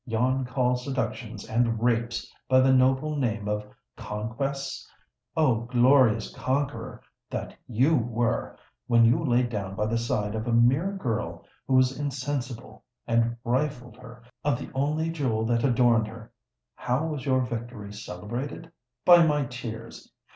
Yon call seductions and rapes by the noble name of 'conquests!' O glorious conqueror that you were, when you lay down by the side of a mere girl who was insensible, and rifled her of the only jewel that adorned her! How was your victory celebrated? By my tears!